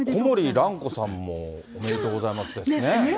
小森蘭子さんもおめでとうございますですね。